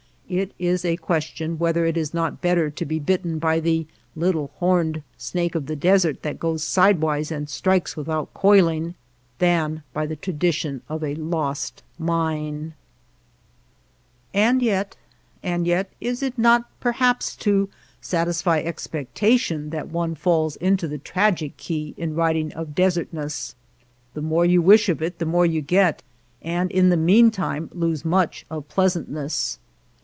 It is a question whether it is not better to be bitten by the little horneci~] snake of the desert that goes sidewise and strikes without coiling, than by the tradition of a lost mine. 19 THE LAND OF LITTLE RAIN And yet — and yet — is it not perhaps to satisfy expectation that one falls into the tragic key in writing of desertness ? The more yoii wish of it the more you get, and in the mean time lose much of pleasantness.